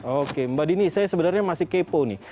oke mbak dini saya sebenarnya masih kepo nih